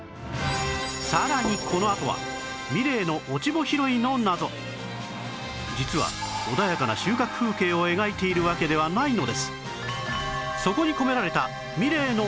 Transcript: さらにこのあとは実は穏やかな収穫風景を描いているわけではないのです